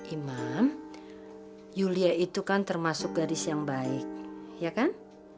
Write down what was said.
imam yulia itu kan termasuk gadis yang baik ya kan